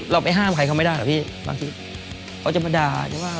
เราไปห้ามใครเขาไม่ได้หรอกพี่บางทีเขาจะมาด่าจะว่า